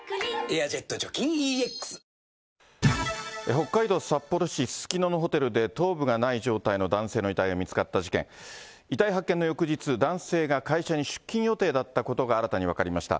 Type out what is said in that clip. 北海道札幌市すすきののホテルで頭部のない状態の男性の遺体が見つかった事件、遺体発見の翌日、男性が会社に出勤予定だったことが新たに分かりました。